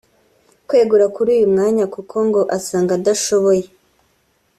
kwegura kuri uyu mwanya kuko ngo asanga adashoboye